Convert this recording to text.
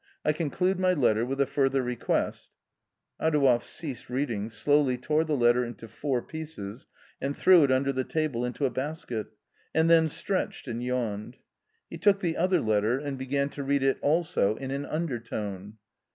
I conclude my letter with a further request " Adouev ceased reading, slowly tore the letter into four pieces and threw it under the table into a basket, and then stretched and yawned. He took the other letter and began to read it also in an undertone.